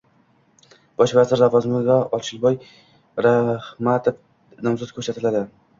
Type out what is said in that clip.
Bosh vazir lavozimiga Ochilboy Ramatov nomzod ko'rsatiladi...